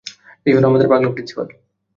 এই হলো আমাদের পাগলা প্রিন্সিপাল।